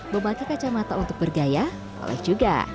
membagi kacamata untuk bergaya boleh juga